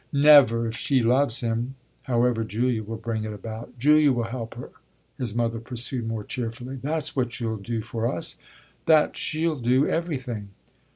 "Never, if she loves him. However, Julia will bring it about Julia will help her," his mother pursued more cheerfully. "That's what you'll do for us that she'll do everything!"